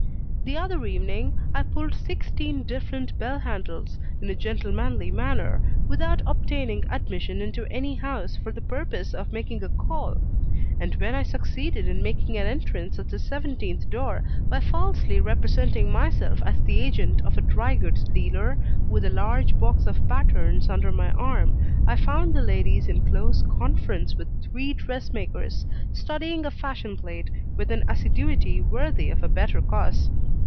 The other evening, I pulled sixteen different bell handles, in a gentlemanly manner, without obtaining admission into any house for the purpose of making a call; and when I succeeded in making an entrance at the seventeenth door by falsely representing myself as the agent of a dry goods dealer, with a large box of patterns under my arm, I found the ladies in close conference with three dress makers, studying a fashion plate with an assiduity worthy of a better cause.